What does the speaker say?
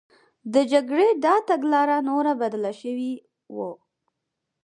د جګړې دا تګلاره نوره بدله شوې وه